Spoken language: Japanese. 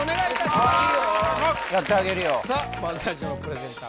まず最初のプレゼンター